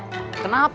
ternyata di terminal